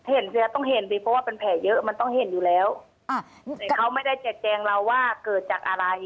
ต้องเห็นสิเพราะว่าเป็นแผลเยอะมันต้องเห็นอยู่แล้วแต่เขาไม่ได้แจกแจงเราว่าเกิดจากอะไร